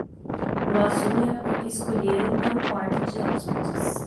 O azul é a cor que escolheram para o quarto de hóspedes.